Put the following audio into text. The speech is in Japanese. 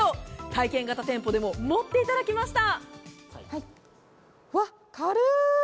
体験型店舗でも持っていただきました。